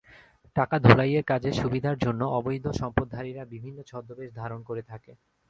টাকা ধোলাইয়ের কাজে সুবিধার জন্য অবৈধ সম্পদধারীরা বিভিন্ন ছদ্মবেশ ধারণ করে থাকে।